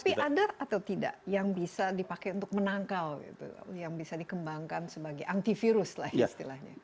tapi ada atau tidak yang bisa dipakai untuk menangkal yang bisa dikembangkan sebagai antivirus lah istilahnya